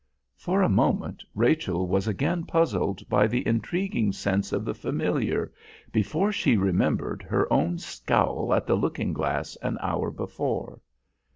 For a moment Rachel was again puzzled by the intriguing sense of the familiar, before she remembered her own scowl at the looking glass an hour before.